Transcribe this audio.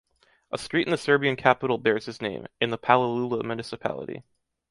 A street in the Serbian capital bears his name, in the Palilula municipality.